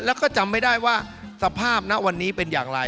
แล้วก็จำไม่ได้ว่าสภาพณวันนี้เป็นอย่างไร